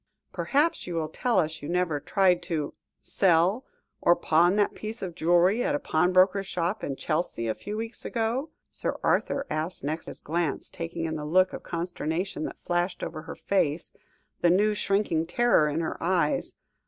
"Perhaps you will tell us you never tried to sell or pawn that piece of jewellery, at a pawnbroker's shop in Chelsea a few weeks ago?" Sir Arthur asked next, his glance taking in the look of consternation that flashed over her face, the new, shrinking terror in her eyes.